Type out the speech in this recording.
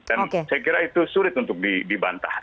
dan saya kira itu sulit untuk dibantah